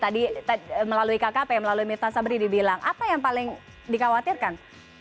tadi melalui kkp melalui mirta sabri dibilang apa yang paling dikhawatirkan